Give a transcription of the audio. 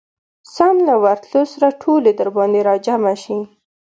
سم له ورتلو سره ټولې درباندي راجمعه شي.